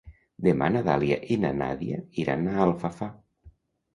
Demà na Dàlia i na Nàdia iran a Alfafar.